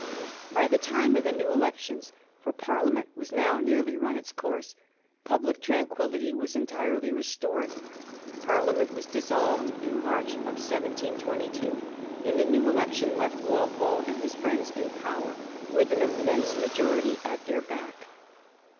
By the time of the new elections — for Parliament had now nearly run its course — public tranquillity was entirely restored. Parliament was dissolved in March 1722, and the new elections left Walpole and his friends in power, with an immense majority at their back.